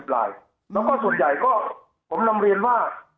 ลายแล้วก็ส่วนใหญ่ก็ผมนำเรียนว่า